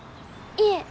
いえ